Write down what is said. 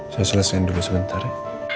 saya selesaikan dulu sebentar